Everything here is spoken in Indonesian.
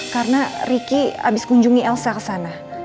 karena riki abis kunjungi elsa kesana